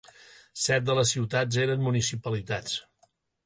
Set de les ciutats eren municipalitats.